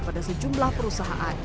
pada sejumlah perusahaan